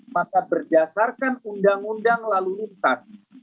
maka berdasarkan undang undang lalu lintas